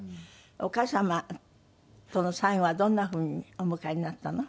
お母様との最期はどんな風にお迎えになったの？